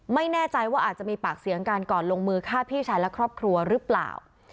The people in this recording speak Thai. ไม่แน่ใจว่าอาจจะมีปากเสียงกันก่อนลงมือฆ่าพี่ชายและครอบครัวหรือเปล่า